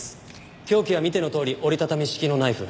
凶器は見てのとおり折り畳み式のナイフ。